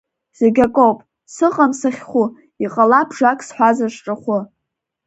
Зегь акоуп, сыҟам сахьхәы, иҟалап бжак сҳәазар сҿахәы.